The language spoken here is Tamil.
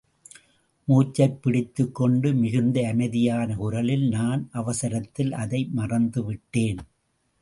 மூச்சைப் பிடித்துக்கொண்டு மிகுந்த அமைதியான குரலில், நான் அவசரத்தில் அதை மறந்துவிட்டேன்.